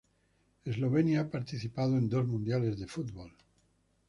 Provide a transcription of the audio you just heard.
Eslovenia ha participado en dos mundiales de fútbol.